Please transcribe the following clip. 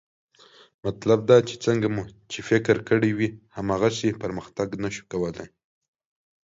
مطلب دا چې څنګه مو چې فکر کړی وي، هماغسې پرمختګ نه شو کولی